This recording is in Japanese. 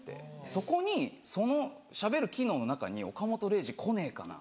そこにそのしゃべる機能の中に「オカモトレイジ来ねえかな」